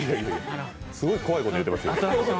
すごい怖いこと言ってますけど。